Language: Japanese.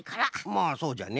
まあそうじゃね。